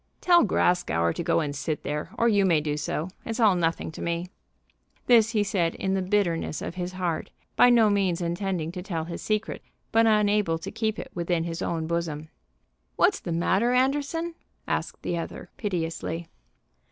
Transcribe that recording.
"Tell Grascour to go and sit there, or you may do so. It's all nothing to me." This he said in the bitterness of his heart, by no means intending to tell his secret, but unable to keep it within his own bosom. "What's the matter, Anderson?" asked the other piteously.